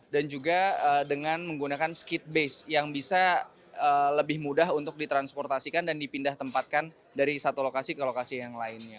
dan juga dengan menggunakan skid base yang bisa lebih mudah untuk ditransportasikan dan dipindah tempatkan dari satu lokasi ke lokasi yang lainnya